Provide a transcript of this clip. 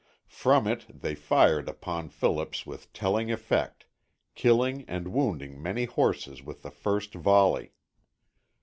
From it they fired upon Phillips with telling effect, killing and wounding many horses with the first volley.